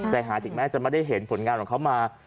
แต่หาถึงแม้จะไม่ได้เห็นผลงานของเขามา